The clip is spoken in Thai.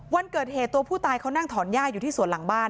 วันเกิดเหตุตัวผู้ตายเขานั่งถอนหญ้าอยู่ที่สวนหลังบ้าน